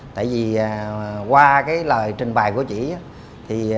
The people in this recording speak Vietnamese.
tại vì qua lời trình bài của chị